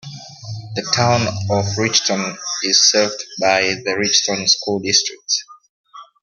The Town of Richton is served by the Richton School District.